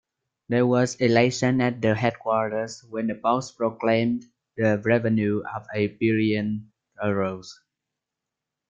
There was elation at the headquarters when the boss proclaimed the revenue of a billion euros.